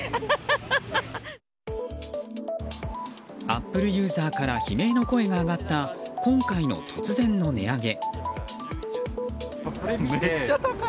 アップルユーザーから悲鳴の声が上がった今回の突然の値上げ。